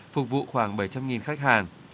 phục vụ khoảng bảy trăm linh khách hàng